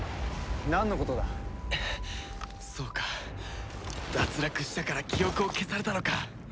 そうか脱落したから記憶を消されたのか。